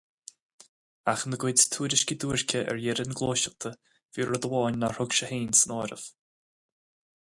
Ach ina gcuid tuairiscí duairce ar dheireadh na Gluaiseachta, bhí rud amháin nár thug sé féin san áireamh.